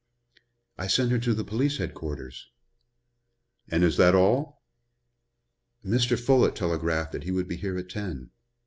"I sent her to police headquarters." "And is that all?" "Mr. Folett telegraphed that he would be here at ten."